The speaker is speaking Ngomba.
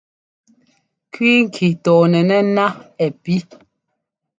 Kʉi ŋki tɔnɛnɛ́ ná ɛ pí.